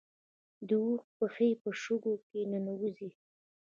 د اوښ پښې په شګو کې نه ننوځي